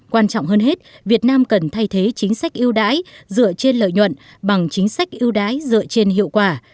quan trọng hơn hết việt nam cần thay thế chính sách ưu đãi dựa trên lợi nhuận bằng chính sách ưu đãi dựa trên hiệu quả